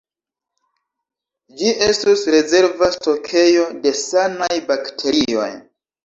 Ĝi estus rezerva stokejo de sanaj bakterioj.